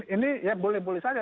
ini ya boleh boleh saja